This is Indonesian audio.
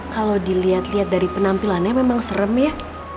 kalau dilihat lihat dari penampilannya memang serem ya